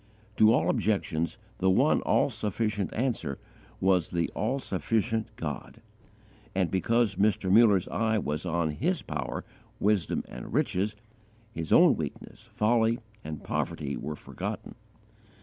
To all objections the one all sufficient answer was the all sufficient God; and, because Mr. Muller's eye was on His power, wisdom, and riches, his own weakness, folly, and poverty were forgotten.